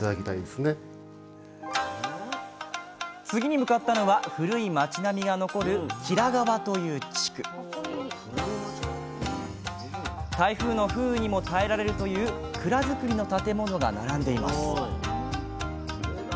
次に向かったのは古い町並みが残る吉良川という地区台風の風雨にも耐えられるという蔵造りの建物が並んでいます